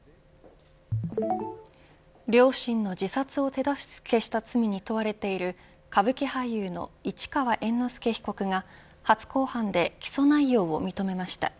両親の自殺を手助けした罪に問われている歌舞伎俳優の市川猿之助被告が初公判で起訴内容を認めました。